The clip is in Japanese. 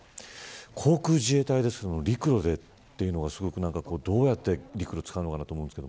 航空自衛隊で陸路でというのはどうやって陸路を使うのかなと思うんですが。